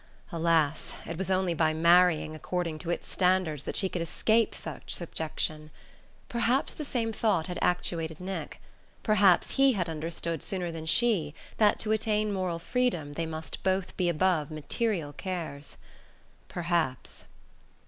Alas, it was only by marrying according to its standards that she could escape such subjection. Perhaps the same thought had actuated Nick: perhaps he had understood sooner than she that to attain moral freedom they must both be above material cares. Perhaps...